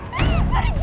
tante aku mau pergi